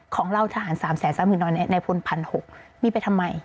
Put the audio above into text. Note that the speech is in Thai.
ของเราทหาร๓๓๐๐๐๐ในฝน๑๖๐๐บาทมีไปทำไม